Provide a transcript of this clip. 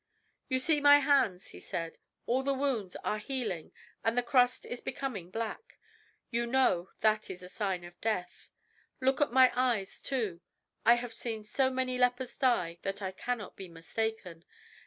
"You see my hands," he said. "All the wounds are healing and the crust is becoming black. You know that is a sign of death. Look at my eyes too. I have seen so many lepers die that I cannot be mistaken.